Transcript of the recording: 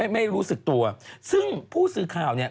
ไม่รู้สึกตัวซึ่งผู้สื่อข่าวเนี่ย